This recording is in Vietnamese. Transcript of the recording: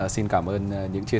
xin cảm ơn